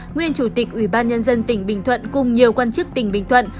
nguyên chủ tịch ubnd tỉnh bình thuận cùng nhiều quan chức tỉnh bình thuận